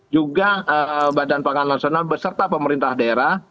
juga badan pangan nasional beserta pemerintah daerah